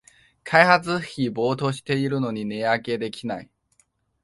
開発費暴騰してるのに値上げできない